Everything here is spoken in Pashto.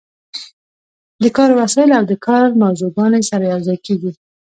د کار وسایل او د کار موضوعګانې سره یوځای کیږي.